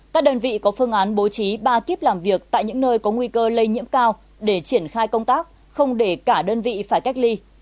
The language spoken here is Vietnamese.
các đơn vị có phương án bố trí ba kíp làm việc tại những nơi có nguy cơ lây nhiễm cao để triển khai công tác không để cả đơn vị phải cách ly